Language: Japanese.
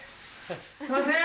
すいません！